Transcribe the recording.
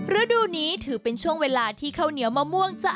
ฤดูนี้ถือเป็นช่วงเวลาที่ข้าวเหนียวมะม่วงจะ